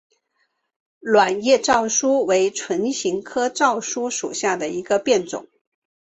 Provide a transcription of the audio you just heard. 卵叶糙苏为唇形科糙苏属下的一个变种。